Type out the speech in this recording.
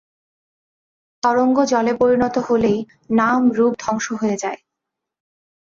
তরঙ্গ জলে পরিণত হলেই নাম-রূপ ধ্বংস হয়ে যায়।